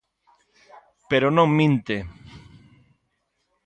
Pero non minte.